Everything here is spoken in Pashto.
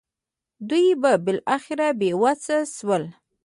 دوی به بالاخره بې وسه شول.